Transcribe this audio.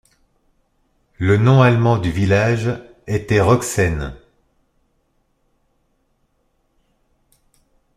Le nom allemand du village était Rogsen.